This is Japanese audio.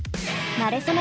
なれそめ！